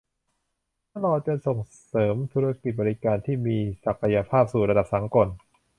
ตลอดจนส่งเสริมธุรกิจบริการที่มีศักยภาพสู่ระดับสากล